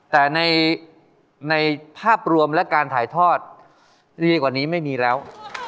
แต่ในภาพรวมและการถ่ายทอดดีกว่านี้ไม่มีแล้ว